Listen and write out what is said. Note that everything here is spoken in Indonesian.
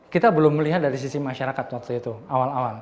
kita belum melihat dari sisi masyarakat waktu itu awal awal